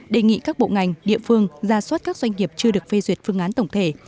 đề nghị các bộ ngành địa phương ra soát các doanh nghiệp chưa được phê duyệt phương án tổng thể